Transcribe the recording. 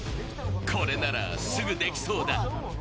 これなら、すぐできそうだ。